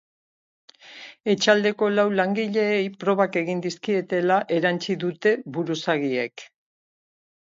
Etxaldeko lau langileei probak egin dizkietela erantsi dute buruzagiek.